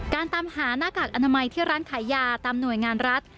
ตามหาหน้ากากอนามัยที่ร้านขายยาตามหน่วยงานรัฐ